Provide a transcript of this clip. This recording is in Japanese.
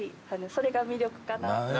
それが魅力かなと。